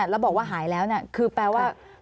แล้วบอกว่าหายแล้วคือแปลว่า